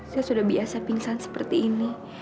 saya sudah biasa pingsan seperti ini